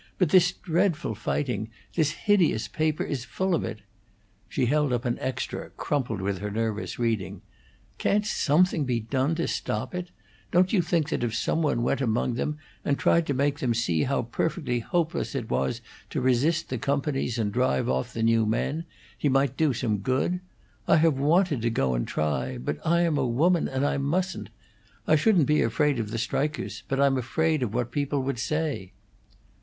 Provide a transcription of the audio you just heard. But this dreadful fighting this hideous paper is full of it!" She held up an extra, crumpled with her nervous reading. "Can't something be done to stop it? Don't you think that if some one went among them, and tried to make them see how perfectly hopeless it was to resist the companies and drive off the new men, he might do some good? I have wanted to go and try; but I am a woman, and I mustn't! I shouldn't be afraid of the strikers, but I'm afraid of what people would say!"